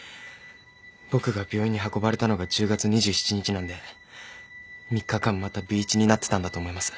僕が病院に運ばれたのが１０月２７日なんで３日間またＢ一になってたんだと思います。